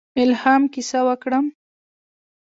الهام کیسه وکړم.